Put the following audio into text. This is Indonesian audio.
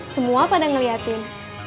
semua pada ngeliatin